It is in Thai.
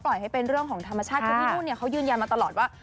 ให้เป็นเรื่องของธรรมชาติคือพี่นุ่นเนี่ยเขายืนยันมาตลอดว่า